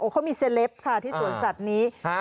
เขามีเซลปค่ะที่สวนสัตว์นี้